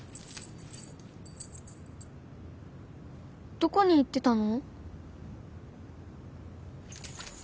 どこに行ってたの？